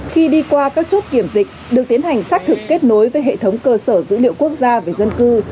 khi đi qua các chốt kiểm dịch được tiến hành xác thực kết nối với hệ thống cơ sở dữ liệu quốc gia về dân cư